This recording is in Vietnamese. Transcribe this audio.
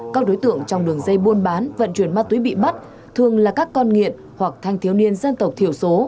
các đối tượng trong đường dây buôn bán vận chuyển ma túy bị bắt thường là các con nghiện hoặc thanh thiếu niên dân tộc thiểu số